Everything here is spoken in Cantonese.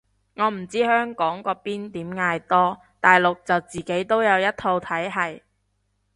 我唔知香港嗰邊點嗌多，大陸就自己都有一套體係